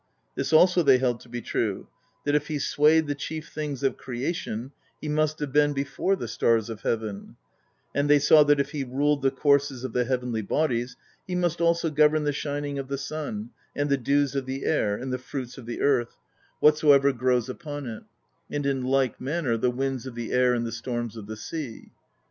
This also they held to be true: that if he swayed the chief things of crea tion, he must have been before the stars of heaven; and they saw that if he ruled the courses of the heavenly bodies, he must also govern the shining of the sun, and the dews of the air, and the fruits of the earth, whatsoever grows PROLOGUE 5 upon it; and in like manner the winds of the air and the storms of the sea.